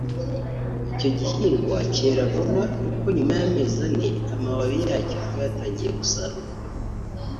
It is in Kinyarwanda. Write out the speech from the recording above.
Icyo gihingwa cyera vuba kuko nyuma y’amezi ane amababi yacyo aba yatangiye gusarurwa